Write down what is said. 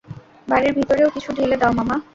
বাড়ির ভিতরেও কিছু ঢেলে দাও মামা।